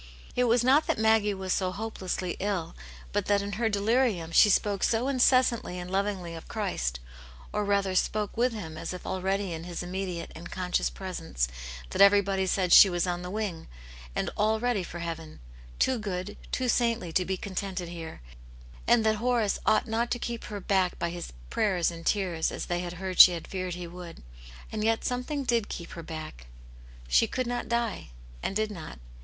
It was not that Maggie was so hopelessly ill, but that in her delirium she spoke so incessantly and lovingly of Christ, or rather spoke with Him a^ if already in His immediate and conscious presence^ that everybody said she was on the wing, and all ready for heaven, too good, too saintly to be contented here, and that Horace ought not to keep her back by his prayers and tears, as they had heard she had feared he would. And yet something did keep her back; "she could not die,'* «nd ^v^ uo\.